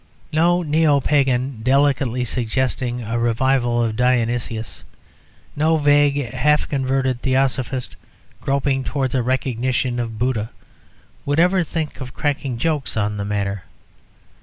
No Neo Pagan delicately suggesting a revival of Dionysus, no vague, half converted Theosophist groping towards a recognition of Buddha, would ever think of cracking jokes on the matter.